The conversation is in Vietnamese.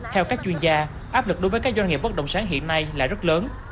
theo các chuyên gia áp lực đối với các doanh nghiệp bất động sản hiện nay là rất lớn